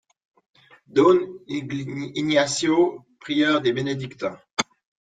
don Ignacio, prieur des bénédictins.